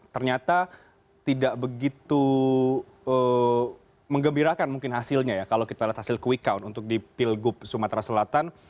ternyata tidak begitu mengembirakan mungkin hasilnya ya kalau kita lihat hasil quick count untuk di pilgub sumatera selatan